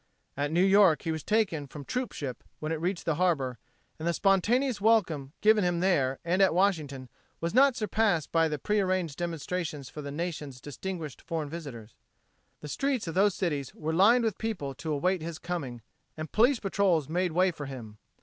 At New York he was taken from the troop ship when it reached harbor and the spontaneous welcome given him there and at Washington was not surpassed by the prearranged demonstrations for the Nation's distinguished foreign visitors. The streets of those cities were lined with people to await his coming and police patrols made way for him.